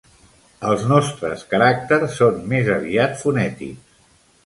Els nostres caràcters són més aviat fonètics.